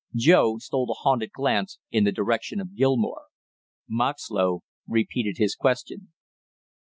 Joe stole a haunted glance in the direction of Gilmore. Moxlow repeated his question.